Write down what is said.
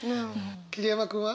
桐山君は？